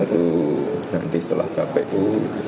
itu nanti setelah kpu